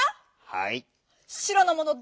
はい。